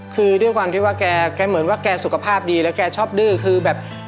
คือด้วยความที่ว่าแกเหมือนว่าแกสุขภาพดีแล้วแกชอบดื้อคือแบบ